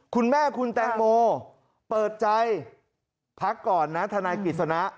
คุณแม่คุณแตงโมเปิดใจพักก่อนนะทนายกฤษณะ